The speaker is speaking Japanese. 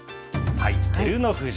照ノ富士。